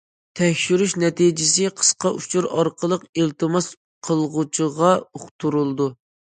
تەكشۈرۈش نەتىجىسى قىسقا ئۇچۇر ئارقىلىق ئىلتىماس قىلغۇچىغا ئۇقتۇرۇلىدۇ.